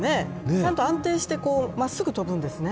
ちゃんと安定して真っすぐに飛ぶんですね。